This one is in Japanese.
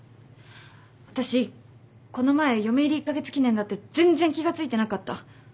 私この前嫁入り１カ月記念だって全然気が付いてなかった。